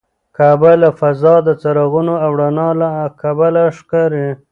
کعبه له فضا د څراغونو او رڼا له کبله ښکاري.